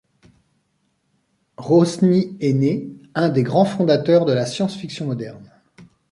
Rosny aîné, un des grands fondateurs de la science-fiction moderne.